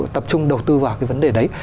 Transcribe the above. tập trung đầu tư vào cái vấn đề đấy